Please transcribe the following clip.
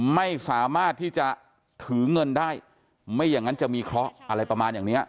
ไม่สามารถที่จะถือเงินได้ไม่อย่างนั้นจะมีเคราะห์อะไรประมาณอย่างเนี้ย